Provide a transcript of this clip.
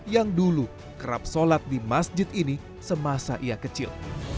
yang dulu kerap sholat di masjid ini semasa ia kecil